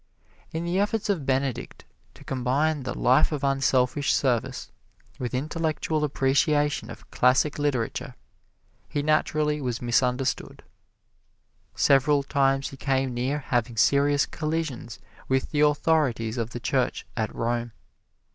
In the efforts of Benedict to combine the life of unselfish service with intellectual appreciation of classic literature, he naturally was misunderstood. Several times he came near having serious collisions with the authorities of the Church at Rome.